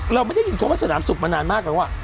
จนเราไม่ได้ยินเขาไปสนามศุกร์มานานมากเลยว่ะ